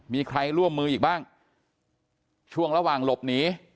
มีใครร่วมมืออีกบ้างช่วงระหว่างหลบหนี